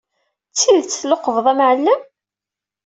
D tidet tluqbed amɛellem?